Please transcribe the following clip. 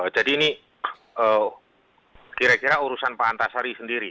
jadi ini kira kira urusan pak antasari sendiri